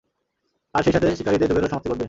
আর সেইসাথে শিকারীদের যুগেরও সমাপ্তি ঘটবে।